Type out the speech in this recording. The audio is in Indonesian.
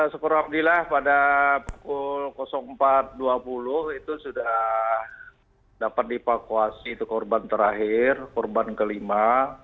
seperti yang dikatakan pada pukul empat dua puluh itu sudah dapat di evakuasi korban terakhir korban kelima